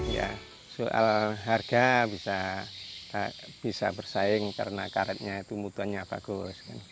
ya soal harga bisa bersaing karena karetnya itu mutuannya bagus